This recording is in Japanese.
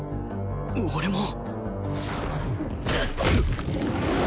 俺も